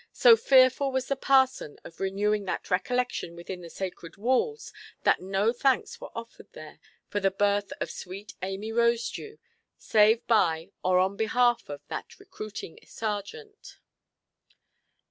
So fearful was the parson of renewing that recollection within the sacred walls, that no thanks were offered there for the birth of sweet Amy Rosedew, save by, or on behalf of, that recruiting sergeant.